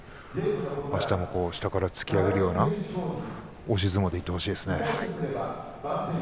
あしたもこう下から突き上げるような押し相撲でいってほしいですね。